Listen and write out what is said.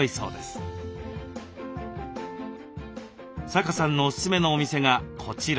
阪さんのおすすめのお店がこちら。